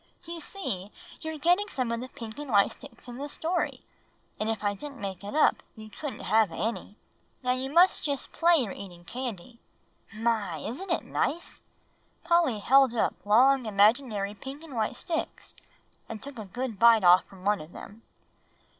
"You see, you're getting some of the pink and white sticks in the story; and if I didn't make it up, you couldn't have any. Now you must just play you're eating candy. My, isn't it nice!" Polly held up long imaginary pink and white sticks, and took a good bite off from one of them.